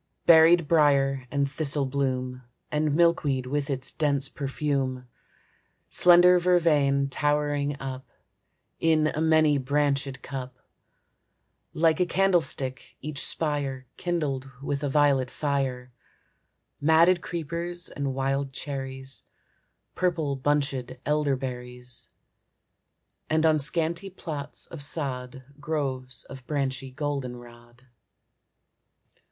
Berried brier and thistle bloom, And milkweed with its dense perfume; Slender vervain towering up In a many branchèd cup, Like a candlestick, each spire Kindled with a violet fire; Matted creepers and wild cherries, Purple bunchèd elderberries, And on scanty plots of sod Groves of branchy goldenrod.